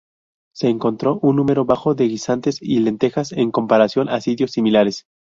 Se encontró un número bajo de guisantes y lentejas en comparación a sitios similares.